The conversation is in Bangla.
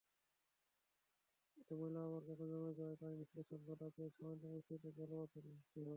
এতে ময়লা-আবর্জনা জমে যাওয়ায় পানিনিষ্কাশন বাধা পেয়ে সামান্য বৃষ্টিতেই জলাবদ্ধতার সৃষ্টি হয়।